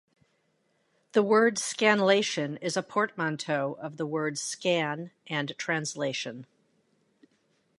The word "scanlation" is a portmanteau of the words scan and translation.